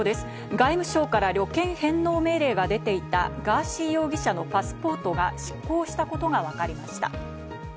外務省から旅券返納命令が出ていたガーシー容疑者のパスポートが失効したことがわかりました。